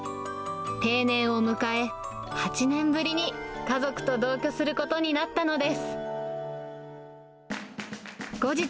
定年を迎え、８年ぶりに家族と同居することになったのです。